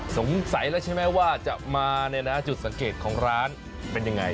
สงสัยแล้วใช่ไหมว่าจะมาเนี่ยนะจุดสังเกตของร้านเป็นยังไง